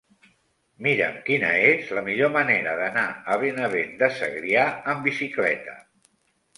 Mira'm quina és la millor manera d'anar a Benavent de Segrià amb bicicleta.